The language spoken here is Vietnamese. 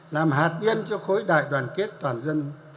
làm hạt nhân cho khối đại đoàn kết toàn dân